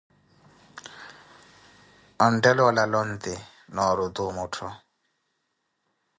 Oneethela olala onti, nooruti omuttho.